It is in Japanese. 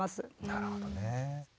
なるほどねえ。